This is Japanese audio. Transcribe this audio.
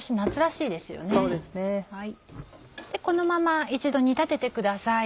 このまま一度煮立ててください。